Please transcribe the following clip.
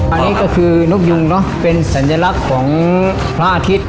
อันนี้ก็คือนกยุงเนอะเป็นสัญลักษณ์ของพระอาทิตย์